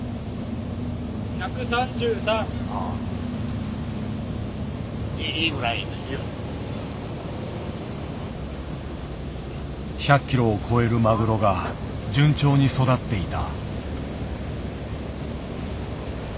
ああ１００ｋｇを超えるマグロが順調に育っていた。